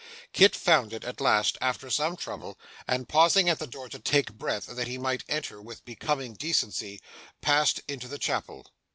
Kit found it, at last, after some trouble, and pausing at the door to take breath that he might enter with becoming decency, passed into the chapel.